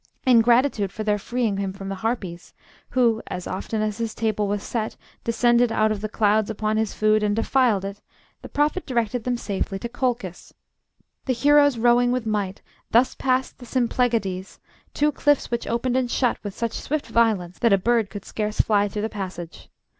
In gratitude for their freeing him from the Harpies, who, as often as his table was set, descended out of the clouds upon his food and defiled it, the prophet directed them safe to Colchis. The heroes rowing with might, thus passed the Symplegades, two cliffs which opened and shut with such swift violence that a bird could scarce fly through the passage.